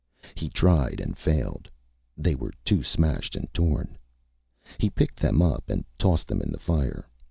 He tried and failed. They were too smashed and torn. He picked them up and tossed them in the fire.